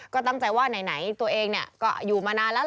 ก็ตั้งใจว่าไหนตัวเองก็อยู่มานานแล้ว